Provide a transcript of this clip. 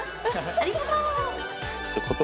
ありがと！